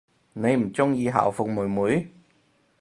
你唔鍾意校服妹妹？